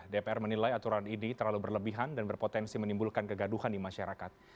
dpr menilai aturan ini terlalu berlebihan dan berpotensi menimbulkan kegaduhan di masyarakat